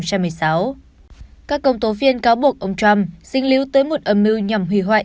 các công tố viên cáo buộc ông trump dính lưu tới một âm mưu nhằm hủy hoại